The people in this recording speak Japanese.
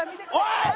おい！